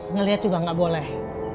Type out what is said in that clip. ngeliat juga nggak boleh